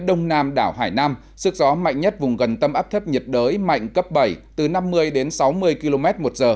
đông nam đảo hải nam sức gió mạnh nhất vùng gần tâm áp thấp nhiệt đới mạnh cấp bảy từ năm mươi đến sáu mươi km một giờ